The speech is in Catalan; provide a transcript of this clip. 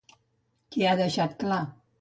Què ha deixat clar?